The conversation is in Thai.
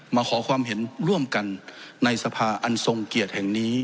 มาขอความเห็นร่วมกันในสภาอันทรงเกียรติแห่งนี้